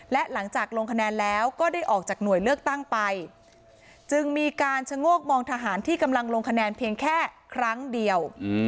และหลังจากลงคะแนนแล้วก็ได้ออกจากหน่วยเลือกตั้งไปจึงมีการชะโงกมองทหารที่กำลังลงคะแนนเพียงแค่ครั้งเดียว